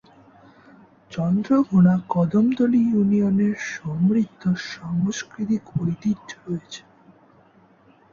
চন্দ্রঘোনা কদমতলী ইউনিয়নের সমৃদ্ধ সাংস্কৃতিক ঐতিহ্য রয়েছে।